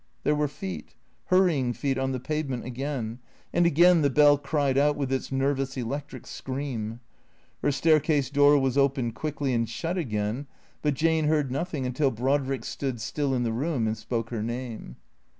There were feet, hurrying feet on the pavement again, and again the hell cried out with its nervous electric scream. Her staircase door was opened quickly and shut again, but Jane heard THECEEATORS 275 nothing until Brodrick stood still in the room and spoke her name.